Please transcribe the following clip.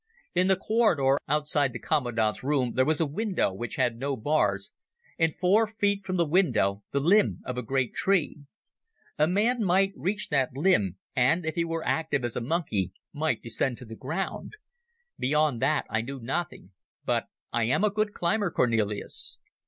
In the corridor outside the commandant's room there was a window which had no bars, and four feet from the window the limb of a great tree. A man might reach that limb, and if he were active as a monkey might descend to the ground. Beyond that I knew nothing, but I am a good climber, Cornelis.